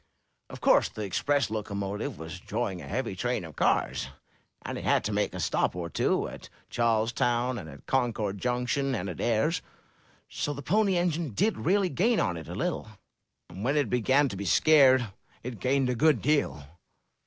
Of course the Express locomotive was drawing a heavy train of cars, and it had to make a stop or two — at Charlestown, and at Concord Junction, and at Ayer — so the Pony Engine did really gain on it a little; and when it began to be scared it gained a good deal.